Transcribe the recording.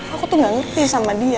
aku tuh gak ngerti sama dia